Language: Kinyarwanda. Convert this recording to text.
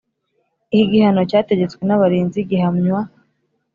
Iki gihano cyategetswe n abarinzi gihamywa